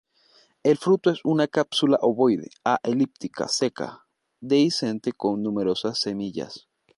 El fruto es una cápsula ovoide a elíptica seca, dehiscente con numerosas semillas.